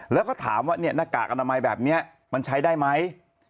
แล้วก็ถามว่าหน้ากากอนามัยแบบนี้มันใช้ได้ไหม